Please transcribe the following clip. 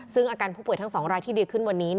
ซึ่งอาการผู้ป่วยทั้ง๒รายที่ดีขึ้นวันนี้